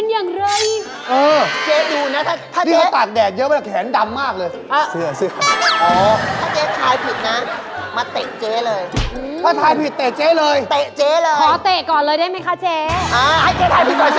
จริงสิจริงแต่ถ้าสมมุติว่าผู้ชายแบบนี้คุณเกม